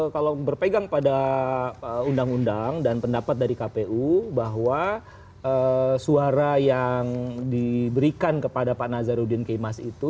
kalau berpegang pada undang undang dan pendapat dari kpu bahwa suara yang diberikan kepada pak nazarudin kemas itu